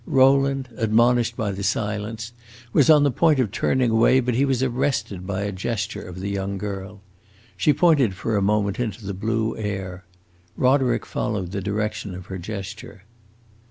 Rowland, admonished by the silence, was on the point of turning away, but he was arrested by a gesture of the young girl. She pointed for a moment into the blue air. Roderick followed the direction of her gesture.